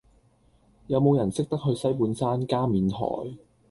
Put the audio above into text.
有無人識得去西半山加冕臺